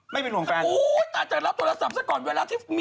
ไม่เป็นห่วงแฟนเหรอ